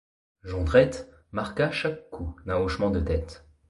Jondrette marqua chaque coup d'un hochement de tête.